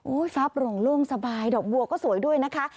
โอ้ยฟ้าปลงล่วงสบายดอกบัวก็สวยด้วยนะคะ